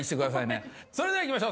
それではいきましょう。